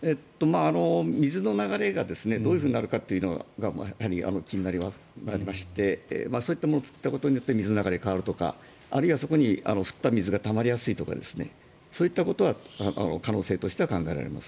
水の流れがどういうふうになるかがやはり気になりましてそういったものを作ったことによって水の流れが変わるとかあるいは、そこに降った水がたまりやすいとかそういったことは可能性としては考えられます。